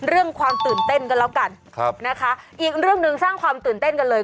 เรื่องความตื่นเต้นกันแล้วกันครับนะคะอีกเรื่องหนึ่งสร้างความตื่นเต้นกันเลย